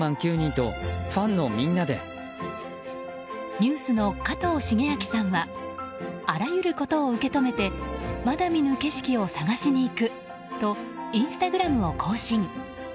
ＮＥＷＳの加藤シゲアキさんはあらゆることを受け止めてまだ見ぬ景色を探しに行くとインスタグラムを更新。